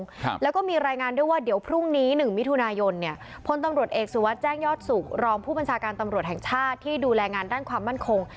ครับแล้วก็มีรายงานด้วยว่าเดี๋ยวพรุ่งนี้หนึ่งมิถุนายนเนี่ยพลตำรวจเอกสุวัสดิ์แจ้งยอดสุขรองผู้บัญชาการตำรวจแห่งชาติที่ดูแลงานด้านความมั่นคง